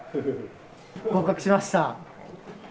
合格しました！